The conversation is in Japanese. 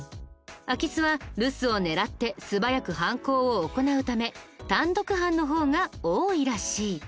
空き巣は留守を狙って素早く犯行を行うため単独犯の方が多いらしい。